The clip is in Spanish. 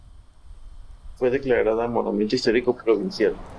Fue declarada Monumento Histórico Provincial.